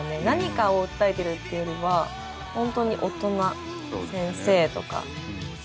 何かを訴えてるっていうよりはホントに大人先生とか。